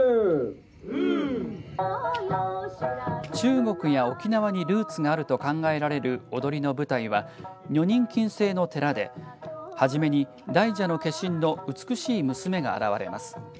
中国や沖縄にルーツがあると考えられる踊りの舞台は女人禁制の寺で初めに大蛇の化身の美しい娘が現れます。